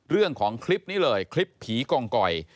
เรื่องของคลิปนี้เลยคลิปผีกองกอย